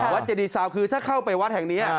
เจดีซาวคือถ้าเข้าไปวัดแห่งนี้